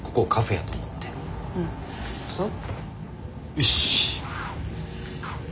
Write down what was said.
よし。